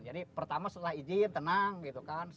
jadi pertama setelah izin tenang gitu kan